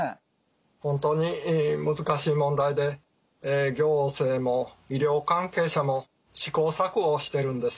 本当に難しい問題で行政も医療関係者も試行錯誤をしてるんです。